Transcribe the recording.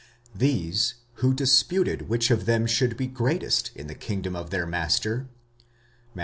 These, who disputed which of them should be greatest in the kingdom of their master (Matt.